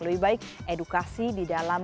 lebih baik edukasi di dalam